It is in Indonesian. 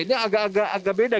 ini agak agak beda